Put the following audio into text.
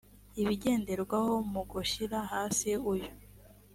ibigenderwaho mu gushyira hasi uyu